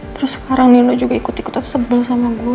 terus sekarang nino juga ikut ikutan sebel sama gue